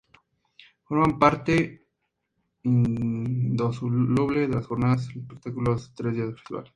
Forman parte indisoluble de las Jornadas los espectáculos de esos tres días del Festival.